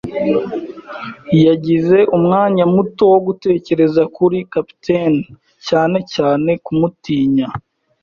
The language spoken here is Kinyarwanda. yagize umwanya muto wo gutekereza kuri capitaine, cyane cyane kumutinya.